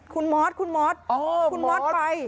คุณมอสคุณมอสคุณมอสไป